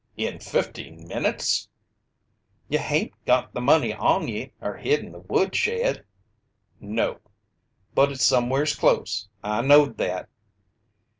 "In fifteen minutes!" "Ye hain't got the money on ye or hid in the woodshed!" "No." "But it's somewheres close. I knowed that."